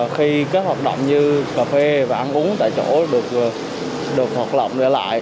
khi các hoạt động như cà phê và ăn uống tại chỗ được hoạt động trở lại